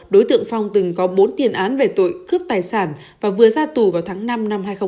đối tượng phong từng có bốn tiền án về tội cướp tài sản và vừa ra tù vào tháng năm năm hai nghìn hai mươi ba